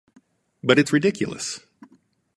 But it's ridiculous!